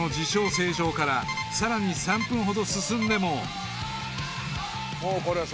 成城からさらに３分ほど進んでも］